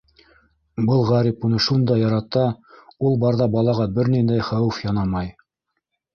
Был ғәрип уны шундай ярата, ул барҙа балаға бер ниндәй хәүеф янамай!